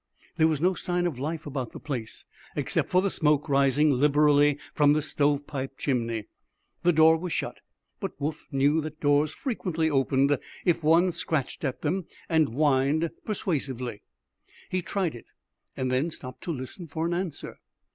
There was no sign of life about the place, except for the smoke rising liberally from the stove pipe chimney. The door was shut, but Woof knew that doors frequently opened if one scratched at them and whined persuasively. He tried it, then stopped to listen for an answer.